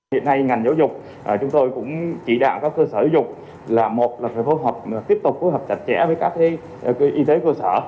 hiện nay ngành giáo dục chúng tôi cũng chỉ đạo các cơ sở giáo dục là một là phải phối hợp tiếp tục phối hợp chặt chẽ với các y tế cơ sở